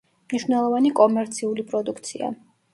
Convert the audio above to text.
მნიშვნელოვანი კომერციული პროდუქტია.